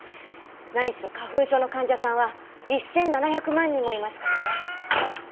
何しろ花粉症の患者さんは１，７００万人もいますからね。